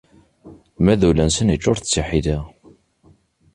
Ma d ul-nsen iččur d tiḥila.